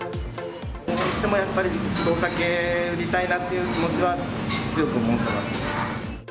どうしてもやっぱり、お酒売りたいなっていう気持ちは強く思ってますね。